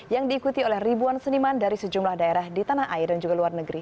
yang diikuti oleh ribuan seniman dari sejumlah daerah di tanah air dan juga luar negeri